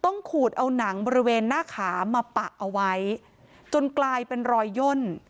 ขูดเอาหนังบริเวณหน้าขามาปะเอาไว้จนกลายเป็นรอยย่น